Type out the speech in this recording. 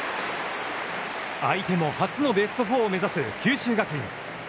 相手も初のベスト４を目指す九州学院。